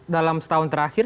dalam setahun terakhir